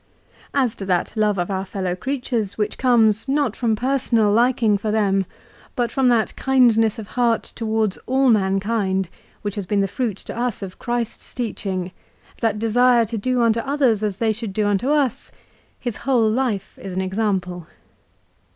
As to that love of our fellow creatures which comes not from personal liking for them but from that kindness of heart towards all mankind which has been the fruit to us of Christ's teaching, that desire to do unto others as they should do unto us, his whole life is an example.